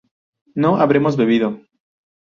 ¿no habremos bebido?